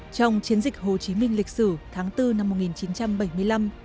trong chiến dịch hồ chí minh lịch sử tháng bốn năm một nghìn chín trăm bảy mươi năm